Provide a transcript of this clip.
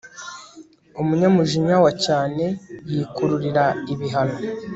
umunyamujinya wa cyane yikururira ibihano